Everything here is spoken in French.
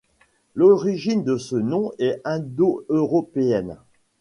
L'origine de ce nom est indo-européenne.